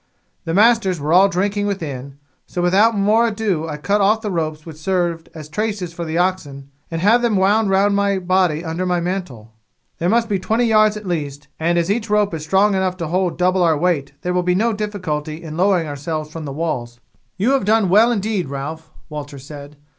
The masters were all drinking within, so without more ado I cut off the ropes which served as traces for the oxen, and have them wound round my body under my mantle. There must be twenty yards at least, and as each rope is strong enough to hold double our weight there will be no difficulty in lowering ourselves from the walls." "You have done well indeed, Ralph," Walter said.